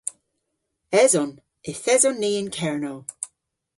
Eson. Yth eson ni yn Kernow.